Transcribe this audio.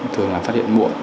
thường là phát hiện muộn